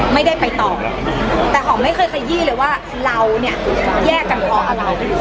ไม่ได้ไปต่อแต่หอมไม่เคยขยี้เลยว่าเราเนี่ยแยกกันเพราะอะไร